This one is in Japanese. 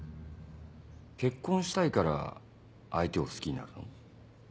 結婚したいから相手を好きになるの？